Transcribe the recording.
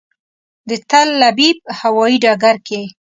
د تل ابیب هوایي ډګر کې.